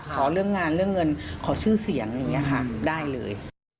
ขอเรื่องงานเรื่องเงินขอชื่อเสียงอย่างนี้ค่ะได้เลย